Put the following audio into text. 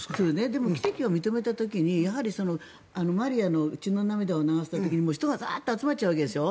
でも奇跡を認めた時にマリアが血の涙を流した時に人が集まっちゃうわけでしょ。